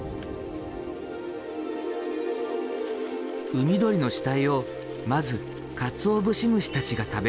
海鳥の死体をまずカツオブシムシたちが食べる。